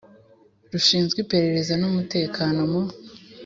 Rushinzwe Iperereza n Umutekano mu